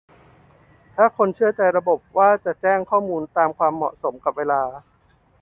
ถ้าคนเชื่อใจระบบว่าจะแจ้งข้อมูลตามความเหมาะสมกับเวลา